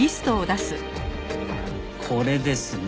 これですね。